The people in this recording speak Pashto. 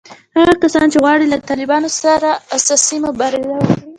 هغه کسان چې غواړي له طالبانو سره اساسي مبارزه وکړي